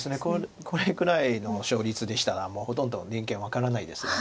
これくらいの勝率でしたらもうほとんど人間分からないですから。